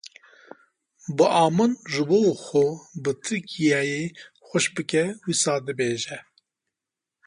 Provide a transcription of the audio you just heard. Bi a min ji bo xwe bi Tirkîyeyê xweş bike wisa dibêje